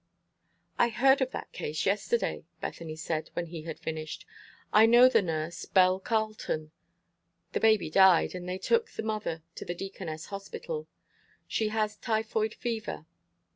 "I heard of that case yesterday," Bethany said, when he had finished. "I know the nurse, Belle Carleton. The baby died, and they took the mother to the Deaconess Hospital. She has typhoid fever.